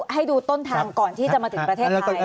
ให้ดูต้นทางก่อนที่จะมาถึงประเทศไทย